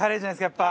やっぱ。